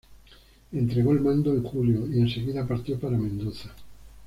Entregó el mando en julio, y enseguida partió para Mendoza.